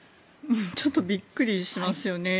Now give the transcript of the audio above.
ちょっとびっくりしますよね。